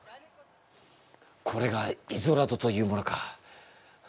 これがイゾラドというものか。